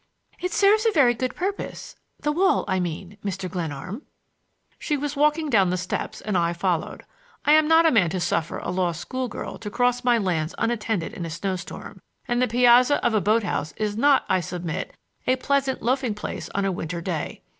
"It serves a very good purpose—the wall, I mean— Mr. Glenarm." She was walking down the steps and I followed. I am not a man to suffer a lost school girl to cross my lands unattended in a snow storm; and the piazza of a boat house is not, I submit, a pleasant loafing place on a winter day.